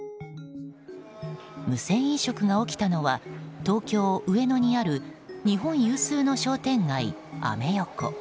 無銭飲食が起きたのは東京・上野にある日本有数の商店街、アメ横。